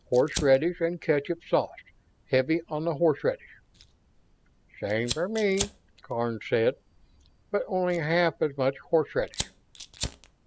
Horseradish and ketchup sauce; heavy on the horseradish." "Same for me," Karns said, "but only half as much horseradish."